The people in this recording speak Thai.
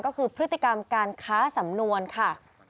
ก็คือพฤติกรรมการค้าสำนวนค่ะ